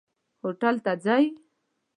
هوټل ته ځئ؟